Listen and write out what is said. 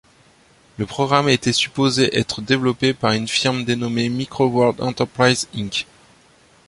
Le programme était supposé être développé par une firme dénommée µWord Enterprises, Inc.